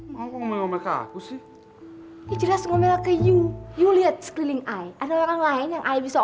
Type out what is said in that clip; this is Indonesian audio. mbak sini aja ngurus administrasinya aja